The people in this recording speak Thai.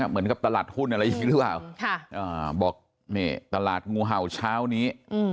เหมือนกับตลาดหุ้นอะไรอย่างนี้หรือเปล่าบอกนี่ตลาดงูเห่าเช้านี้